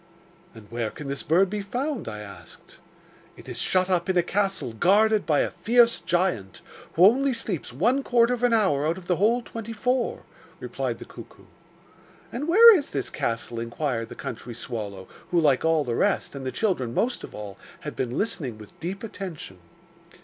'"And where can this bird be found?" I asked. '"It is shut up in a castle guarded by a fierce giant, who only sleeps one quarter of an hour out of the whole twenty four," replied the cuckoo. 'And where is this castle?' inquired the country swallow, who, like all the rest, and the children most of all, had been listening with deep attention.